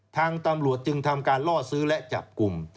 ทางตำรวจจึงทำการล่อซื้อและจับกลุ่ม